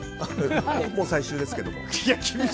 もう最終ですけども。